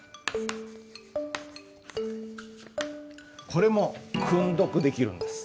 これも訓読できるんです。